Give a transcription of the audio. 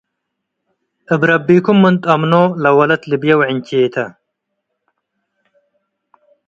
እብ ረቢኩም ምን ተአምኖ፡ ለወለት ልብዬ ወዕንቼ ተ